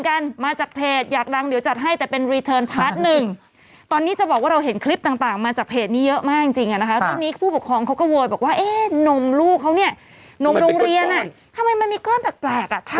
ครับเพราะว่าส่งมอบทันเวลามีคนมาสอนการขับด้วยถูกต้องไหมล่ะ